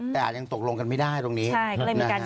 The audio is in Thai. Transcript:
แต่อาจยังตกลงกันไม่ได้ตรงนี้นะฮะใช่ก็เลยมีการแยก